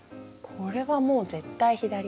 これはもう絶対左。